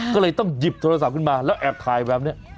ก็เลยต้องหยิบโทรศัพท์ขึ้นมาแล้วแอบถ่ายแบบนี้